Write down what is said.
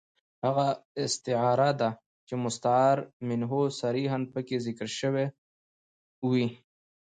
هغه استعاره ده، چي مستعار منه صریحاً پکښي ذکر ىوى يي.